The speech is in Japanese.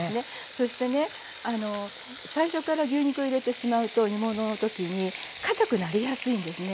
そしてね最初から牛肉を入れてしまうと煮物のときにかたくなりやすいんですね。